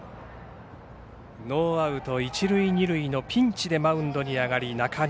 ノーアウト、一塁二塁のピンチでマウンドに上がりました中西。